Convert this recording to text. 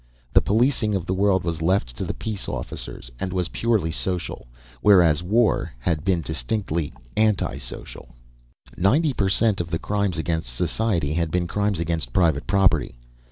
The policing of the world was left to the peace officers and was purely social, whereas war had been distinctly anti social. Ninety per cent. of the crimes against society had been crimes against private property.